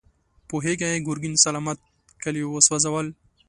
پوهېږې، ګرګين سلامت کلي وسوځول.